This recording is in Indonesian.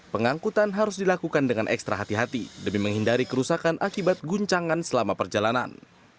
pengangkutan harus dilakukan dengan ekstra hati hati demi menghindari kerusakan akibat guncangan selama perjalanan